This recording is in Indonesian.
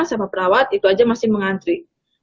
sama perawat itu aja masih mengantri